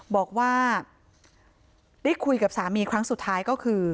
บอกว่าได้คุยกับสามีครั้งสุดท้ายก็คือ